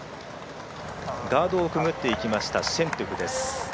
ガードをくぐっていきましたシェントゥフです。